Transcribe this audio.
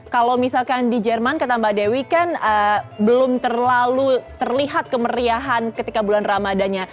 kalau misalkan di jerman kata mbak dewi kan belum terlalu terlihat kemeriahan ketika bulan ramadannya